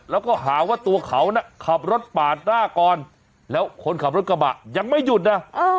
แล้วก็หาว่าตัวเขาน่ะขับรถปาดหน้าก่อนแล้วคนขับรถกระบะยังไม่หยุดนะ